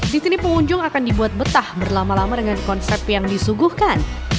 di sini pengunjung akan dibuat betah berlama lama dengan konsep yang disuguhkan